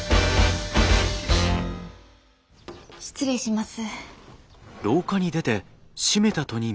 失礼します。